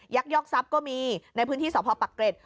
ยอกทรัพย์ก็มีในพื้นที่สพปักเกร็ด